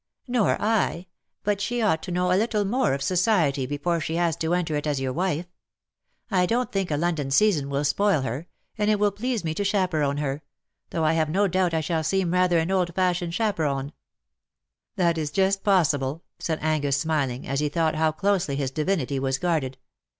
" Nor I. But she ought to know a little more of society before she has to enter it as your wife. I don^t think a London season will spoil her — and it will please me to chaperon her — though I have no doubt I shall seem rather an old fashioned chaperon/^ " That is just possible/^ said Angus^ smiling^ as he thought how closely his divinity was guai'ded.